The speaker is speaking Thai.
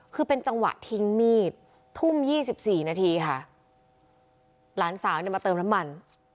คือเป็นจังหวะทิ้งมีดทุ่ม๒๔นาทีค่ะหลานสาวเนี่ยมาเติมน้ำมัน